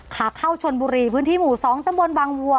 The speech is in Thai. ขาเข้าชนบุรีพื้นที่หมู่๒ตำบลบางวัว